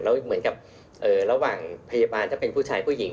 และระหว่างพยาบาลหรือภูชายหรือผู้หญิง